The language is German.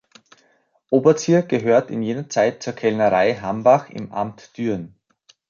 Oberzier gehört in jener Zeit zur Kellnerei Hambach im Amt Düren.